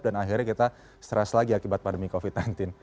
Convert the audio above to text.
akhirnya kita stres lagi akibat pandemi covid sembilan belas